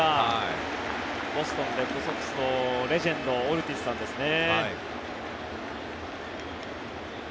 ボストン・レッドソックスのレジェンドオルティズさんですね。